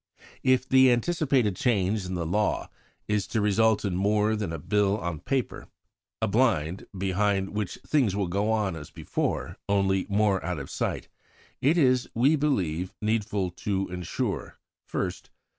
If the anticipated change in the law is to result in more than a Bill on paper a blind, behind which things will go on as before only more out of sight it is, we believe, needful to ensure: 1st.